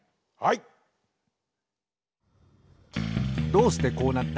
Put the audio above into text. どうしてこうなった？